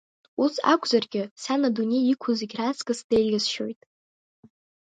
Ус акәзаргьы, сан адунеи иқәу зегь раҵкыс деиӷьасшьоит.